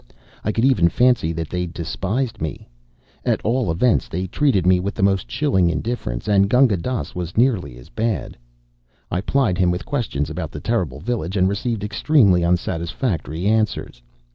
I could even fancy that they despised me. At all events they treated me with the most chilling indifference, and Gunga Dass was nearly as bad. I plied him with questions about the terrible village, and received extremely unsatisfactory answers.